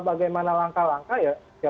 bagaimana langkah langkah ya